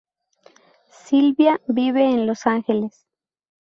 Sylvia vive en Los Ángeles.